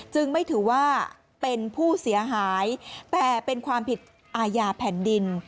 ไม่ถือว่าเป็นผู้เสียหายแต่เป็นความผิดอาญาแผ่นดิน